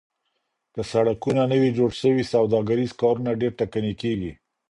که سړکونه نه وي جوړ سوي سوداګريز کارونه ډېر ټکني کيږي.